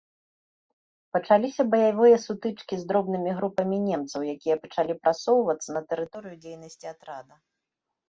Пачаліся баявыя сутычкі з дробнымі групамі немцаў, якія пачалі прасоўвацца на тэрыторыю дзейнасці атрада.